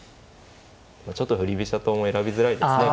ちょっと振り飛車党も選びづらいですね。